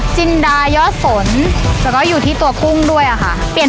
จินดาเยาษศลแต่ก็อยู่ที่ตัวกุ้งด้วย